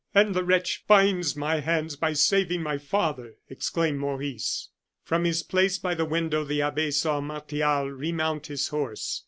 "And the wretch binds my hands by saving my father!" exclaimed Maurice. From his place by the window, the abbe saw Martial remount his horse.